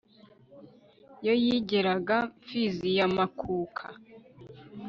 yo yigeraga mfizi ya makuka